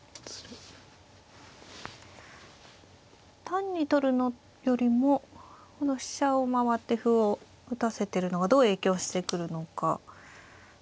単に取るのよりもこの飛車を回って歩を打たせてるのがどう影響してくるのか。